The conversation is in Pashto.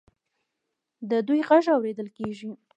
د دوی غږ اوریدل کیږي.